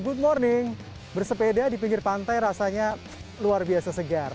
good morning bersepeda di pinggir pantai rasanya luar biasa segar